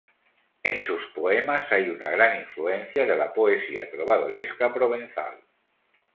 En sus poemas hay una gran influencia de la poesía trovadoresca provenzal.